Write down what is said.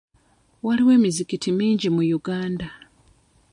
Waliwo emizikiti mingi mu Uganda .